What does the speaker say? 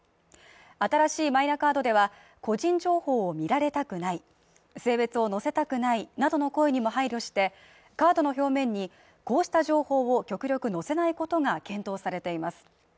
新しいマイナカードでは個人情報を見られたくない性別を乗せたくないなどの声にも配慮してカードの表面にこうした情報を極力載せないことが検討されています